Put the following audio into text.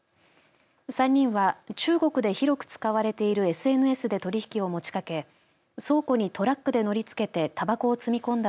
３人は中国で広く使われているＳＮＳで取引を持ちかけ倉庫にトラックで乗りつけてたばこを積み込んだ